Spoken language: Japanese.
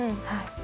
はい。